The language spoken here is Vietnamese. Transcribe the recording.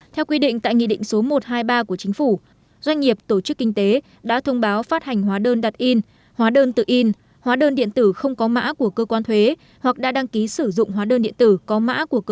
theo quy định tại nghị định số một trăm hai mươi ba của chính phủ doanh nghiệp tổ chức kinh tế đã thông báo phát hành hóa đơn đặt in hóa đơn tự in hóa đơn điện tử không có mã của cơ quan thuế hoặc đã đăng ký sử dụng hóa đơn điện tử có mã của cơ quan